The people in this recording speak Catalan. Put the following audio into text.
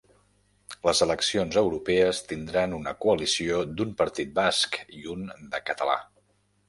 Les eleccions europees tindran una coalició d'un partit basc i un de català